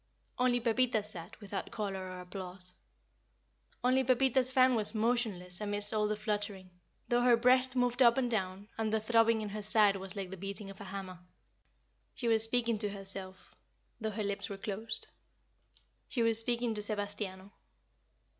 Only Pepita sat without color or applause only Pepita's fan was motionless amidst all the fluttering though her breast moved up and down, and the throbbing in her side was like the beating of a hammer. She was speaking to herself, though her lips were closed; she was speaking to Sebastiano.